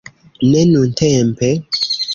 Ne nuntempe